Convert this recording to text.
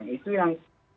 itu yang penting